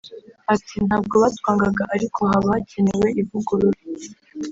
Ati “Ntabwo batwangaga ariko haba hakenewe ivugurura